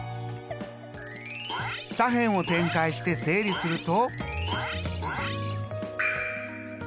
左辺を展開して整理すると。